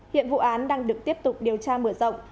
hiện vụ án đang được tiếp tục điều tra mở rộng